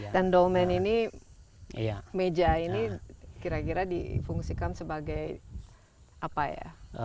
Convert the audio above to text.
dan dolmen ini meja ini kira kira difungsikan sebagai apa ya